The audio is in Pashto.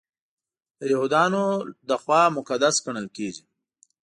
د یهودانو لخوا مقدس ګڼل کیږي.